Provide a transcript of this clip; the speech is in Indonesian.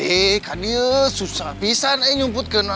eh kan dia susah pisan nih nyumput ke nenek mah